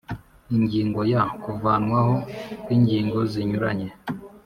Ingingo ya kuvanwaho kw ingingo zinyuranye